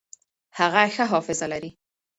هغه ښه حافظه لري.